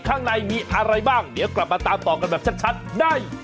ข้างในมีอะไรบ้างเดี๋ยวกลับมาตามต่อกันแบบชัดได้